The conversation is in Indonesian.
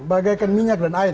bagikan minyak dan air